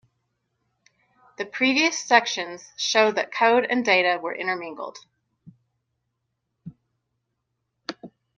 The previous sections show that code and data were intermingled.